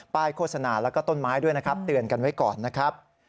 โฆษณาแล้วก็ต้นไม้ด้วยนะครับเตือนกันไว้ก่อนนะครับ